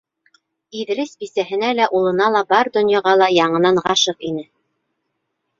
Иҙрис бисәһенә лә, улына ла, бар донъяға ла яңынан ғашиҡ ине...